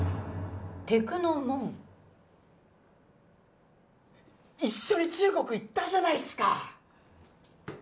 テクノモン一緒に中国行ったじゃないすか！